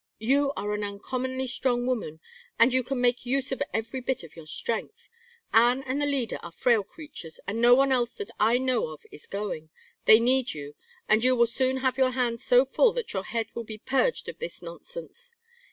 You are an uncommonly strong woman, and you can make use of every bit of your strength. Anne and the Leader are frail creatures, and no one else that I know of is going. They need you, and you will soon have your hands so full that your head will be purged of this nonsense.